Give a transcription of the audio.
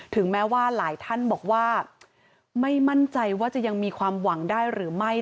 แม้ว่าหลายท่านบอกว่าไม่มั่นใจว่าจะยังมีความหวังได้หรือไม่